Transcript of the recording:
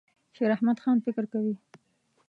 شیراحمدخان فکر کوي.